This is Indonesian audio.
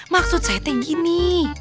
maksud saya teh gini